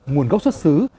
nguồn gốc xuất xứ